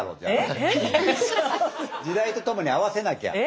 時代とともに合わせなきゃ。